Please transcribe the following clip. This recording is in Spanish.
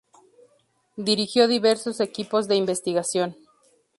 Dirigió diversos equipos de investigación.